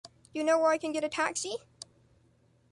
Do you know where I can get a taxi?